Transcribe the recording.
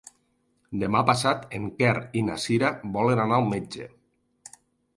Demà passat en Quer i na Cira volen anar al metge.